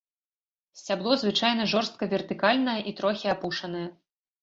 Сцябло звычайна жорстка вертыкальнае і трохі апушанае.